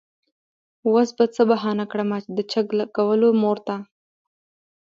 وس به څۀ بهانه کړمه د چک لګولو مور ته